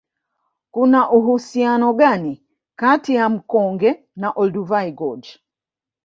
Kuna uhusiano gani kati ya mkonge na Olduvai Gorge